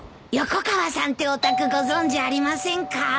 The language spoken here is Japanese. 横川さんってお宅ご存じありませんか？